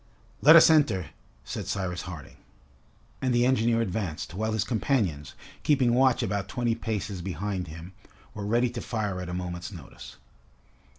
"Let us enter," said Cyrus Harding. And the engineer advanced, while his companions, keeping watch about twenty paces behind him, were ready to fire at a moment's notice.